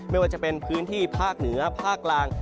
ไม่ว่าจะเป็นพื้นที่ภาคเหนือภาคกลาง